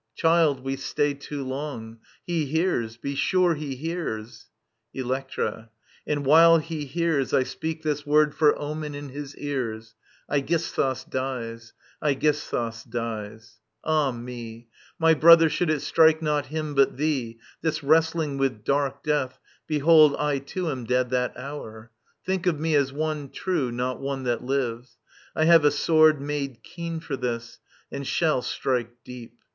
Child, we stay too long. He hears ; be sure he hears I Elbctra. And while he hears, 1 speak this word for omen in his ears : Digitized by VjOOQIC ELECTRA 47 ^^ Aegisthus die% Aegisthus dies." •.• Ah me^ My brother, should it strike not him, but thee, This wrestling with dark death, behold, I too Am dead that hour. Think of me as one true, Not one that lives. I have a sword made keen For this, and shall strike deep.